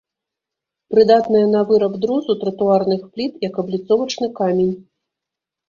Прыдатныя на выраб друзу, тратуарных пліт, як абліцовачны камень.